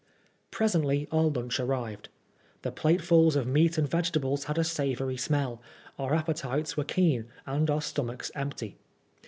Presently our lunch arrived. The platefuls of meat and vegetables had a savory smell, our appetites were keen, and our stomachs empty.